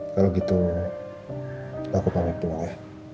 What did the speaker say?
kalau gitu aku panggil pulang ya